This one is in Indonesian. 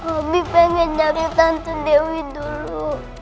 abi pengen nyari tante dewi dulu